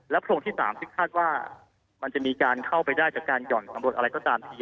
โพรงที่๓ที่คาดว่ามันจะมีการเข้าไปได้จากการห่อนสำรวจอะไรก็ตามที